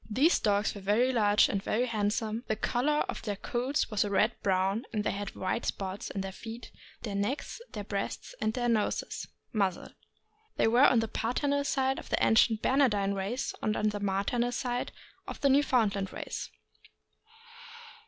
These dogs were very large and very handsome ; the color of their coats was a red brown, and they had white spots on their feet, their necks, their breasts, and their noses (? muzzle). They were on the paternal side of the ancient Bernardine race, and on the maternal side of the Newfoundland race.